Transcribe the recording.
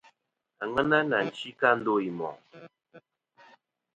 Àŋena nà chi kɨ a ndo i mòʼ.